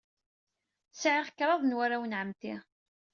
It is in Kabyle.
Sɛiɣ kraḍ n warraw n ɛemmti.